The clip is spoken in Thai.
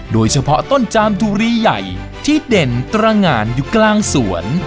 โดยเฉพาะต้นจามทุรีใหญ่ที่เด่นตรงานอยู่กลางสวน